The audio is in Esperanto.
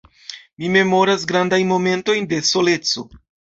Mi memoras grandajn momentojn de soleco.